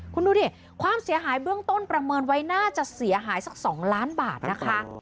คุณดูดิความเสียหายเบื้องต้นประเมินไว้น่าจะเสียหายสัก๒ล้านบาทนะคะ